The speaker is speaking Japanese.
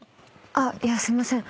あっすいません。